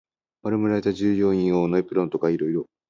丸められた従業員用のエプロンとか色々